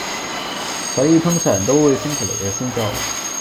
所以通常都會星期六日先做